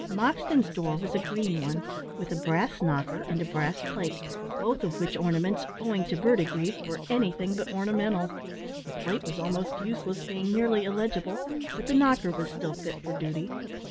Moxton's door was a green one, with a brass knocker and a brass plate, both of which ornaments, owing to verdigris, were anything but ornamental. The plate was almost useless, being nearly illegible, but the knocker was still fit for duty.